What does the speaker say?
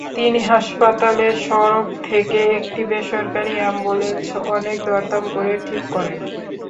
তিনি হাসপাতালের সড়ক থেকে একটি বেসরকারি অ্যাম্বুলেন্স অনেক দরদাম করে ঠিক করেন।